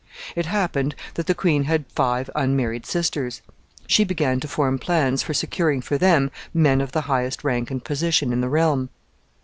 It happened that the queen had five unmarried sisters. She began to form plans for securing for them men of the highest rank and position in the realm.